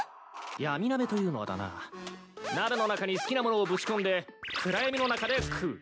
ヤミナベというのはだな鍋の中に好きなものをぶち込んで暗闇の中で食う。